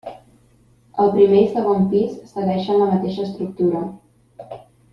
El primer i segon pis segueixen la mateixa estructura.